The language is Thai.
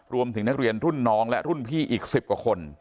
รวมถึงนักเรียนรุ่นน้องและรุ่นพี่อีก๑๐กว่าคน